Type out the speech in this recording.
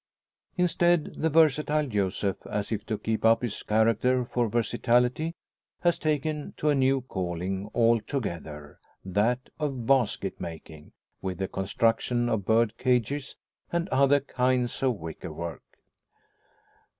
Instead, the versatile Joseph, as if to keep up his character for versatility, has taken to a new calling altogether that of basket making, with the construction of bird cages and other kinds of wicker work.